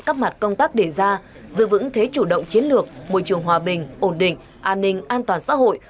các mặt công tác đề ra giữ vững thế chủ động chiến lược môi trường hòa bình ổn định an ninh an toàn xã hội